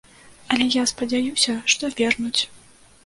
Але я спадзяюся, што вернуць.